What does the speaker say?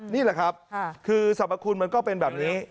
นี่แหละครับคือสรรพคุณมันก็เป็นแบบนี้